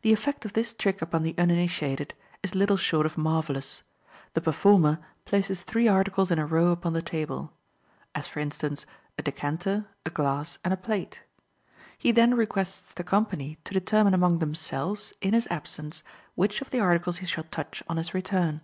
—The effect of this trick upon the uninitiated is little short of marvelous. The performer places three articles in a row upon the table. As, for instance, a decanter, a glass and a plate. He then requests the company to determine among themselves, in his absence, which of the articles he shall touch on his return.